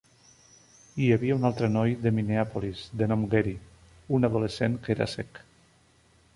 Hi havia un altre noi de Minneapolis de nom Gary, un adolescent que era cec.